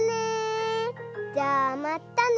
じゃあまったね！